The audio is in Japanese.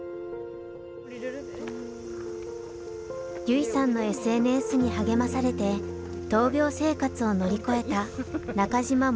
優生さんのＳＮＳに励まされて闘病生活を乗り越えた中島桃花さん親子。